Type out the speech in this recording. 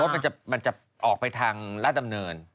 เพราะว่ามันจะออกไปทางราชดำเนิน